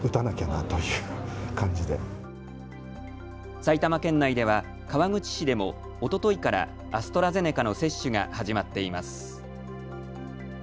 埼玉県内では川口市でもおとといからアストラゼネカの接種が始まっています。